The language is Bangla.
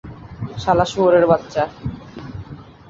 শালা শুয়োরের বাচ্চা!